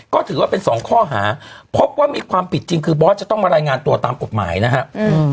ก็ถือว่าเป็นสองข้อหาพบว่ามีความผิดจริงคือบอสจะต้องมารายงานตัวตามกฎหมายนะครับ